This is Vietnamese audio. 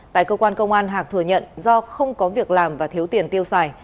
tại cơ quan công an hạc thừa nhận do không có việc làm và thiếu tiền tiêu xài